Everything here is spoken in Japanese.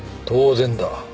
当然だ。